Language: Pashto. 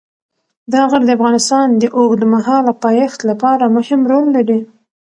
دا غر د افغانستان د اوږدمهاله پایښت لپاره مهم رول لري.